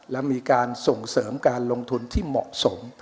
และมีการส่งเสริมการลงทุนที่เหมาะสม